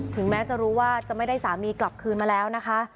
ถึงแม้จะรู้ว่าจะไม่ได้สามีกลับคืนมาแล้วนะคะ